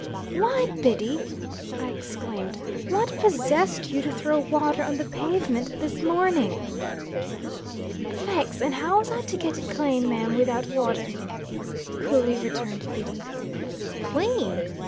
"Why, Biddy!" I exclaimed, "what possessed you to throw water on the pavement this morning?" "Faix! And how was I to get it clane, mim, widout wather?" coolly returned Biddy. "Clean!"